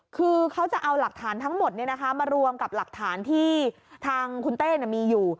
คือเขาจะเอาหลักฐานทั้งหมดมารวมกับหลักฐานที่ทางคุณเต้มีอยู่